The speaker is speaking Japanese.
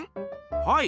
はい。